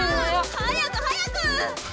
早く早く！